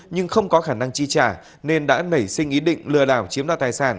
nhưng không có khả năng chi trả nên đã nảy sinh ý định lừa đảo chiếm đoạt tài sản